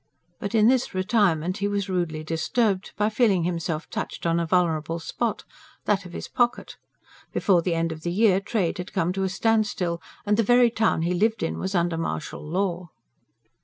But in this retirement he was rudely disturbed, by feeling himself touched on a vulnerable spot that of his pocket. Before the end of the year trade had come to a standstill, and the very town he lived in was under martial law.